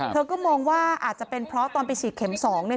เธอก็มองว่าอาจจะเป็นเพราะตอนไปฉีดเข็มสองเนี่ย